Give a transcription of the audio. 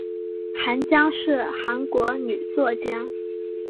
韩江是韩国女作家。